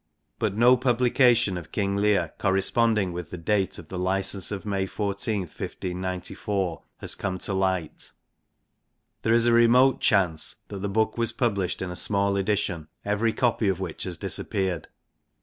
But mjjmblication of Kins Leir corresponding with the date of thelicense of May I4 i$94y has come to light. There is a remote chance that the book was published in a small edition, every copy of which has disappeared.